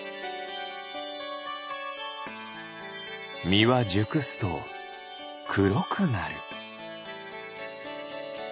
みはじゅくすとくろくなる。